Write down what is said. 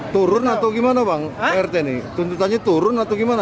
turun atau gimana bang rt ini tuntutannya turun atau gimana